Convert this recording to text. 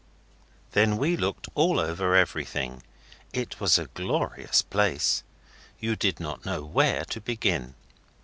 Then we looked all over everything. It was a glorious place. You did not know where to begin.